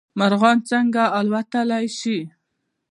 مرغان څنګه الوتلی شي؟